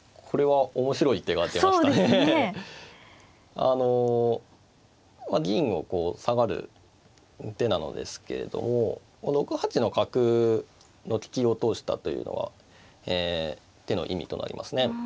あの銀をこう下がる手なのですけれども６八の角の利きを通したというのはえ手の意味となりますね。